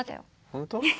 本当？